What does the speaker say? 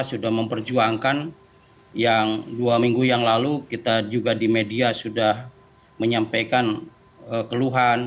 sudah memperjuangkan yang dua minggu yang lalu kita juga di media sudah menyampaikan keluhan